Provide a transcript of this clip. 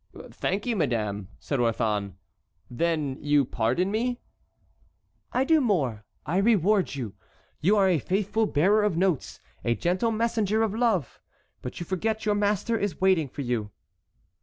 "Thank you, madame," said Orthon. "Then you pardon me?" "I do more, I reward you; you are a faithful bearer of notes, a gentle messenger of love. But you forget your master is waiting for you."